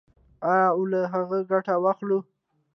آیا او له هغو ګټه واخلو؟